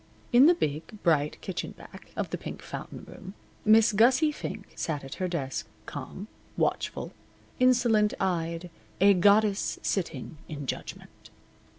In the big, bright kitchen back, of the Pink Fountain room Miss Gussie Fink sat at her desk, calm, watchful, insolent eyed, a goddess sitting in judgment.